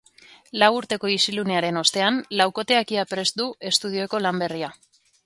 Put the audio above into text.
Lau urteko isilunearen ostean, laukoteak ia prest du estudioko lan berria.